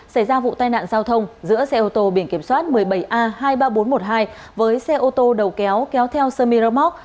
xảy ra vụ tai nạn giao thông giữa xe ô tô biển kiểm soát một mươi bảy a hai mươi ba nghìn bốn trăm một mươi hai với xe ô tô đầu kéo kéo theo sermiramoc